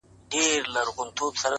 هوښیار فکر بې ځایه شخړې کموي.!